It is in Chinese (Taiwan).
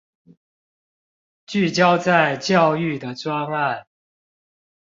聚焦在教育的專案